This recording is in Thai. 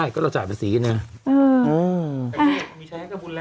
ใช่ก็เราจัดบาษีเหรอ